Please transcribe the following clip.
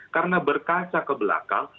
karena berkaca ke belakang